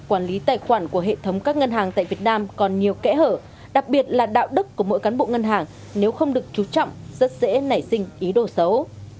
quản lý tài khoản của hệ thống các ngân hàng tại việt nam còn nhiều kẽ hở đặc biệt là đạo đức của mỗi cán bộ ngân hàng nếu không được chú trọng rất dễ nảy sinh ý đồ xấu